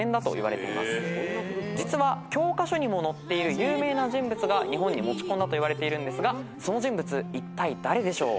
実は教科書にも載っている有名な人物が日本に持ち込んだといわれているんですがその人物いったい誰でしょう？